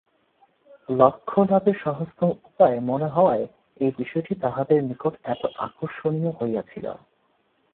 লক্ষ্য-লাভের সহজতম উপায় মনে হওয়ায় এ-বিষয়টি তাঁহাদের নিকট এত আকর্ষণীয় হইয়াছিল।